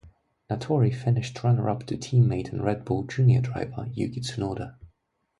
Natori finished runner up to teammate and Red Bull Junior driver Yuki Tsunoda.